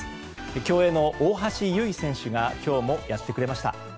競泳の大橋悠依選手が今日もやってくれました。